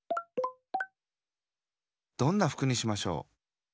どんなふくにしましょう？